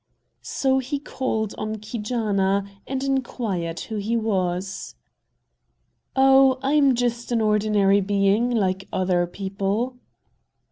So he called on Keejaanaa, and inquired who he was. "Oh, I'm just an ordinary being, like other people."